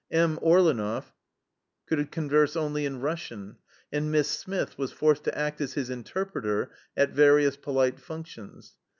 M. Orleneff could converse only in Russian, and "Miss Smith" was forced to act as his interpreter at various polite functions.